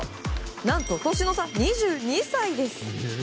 何と、年の差２２歳です。